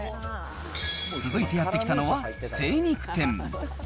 続いてやって来たのは、精肉店。